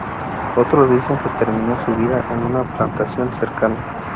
Otros dicen que terminó su vida en una plantación cercana.